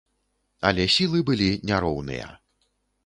Але сілы былі няроўныя.